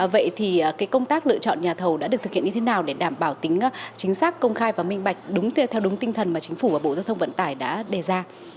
vậy thì công tác lựa chọn nhà thầu đã được thực hiện như thế nào để đảm bảo tính chính xác công khai và minh bạch đúng theo đúng tinh thần mà chính phủ và bộ giao thông vận tải đã đề ra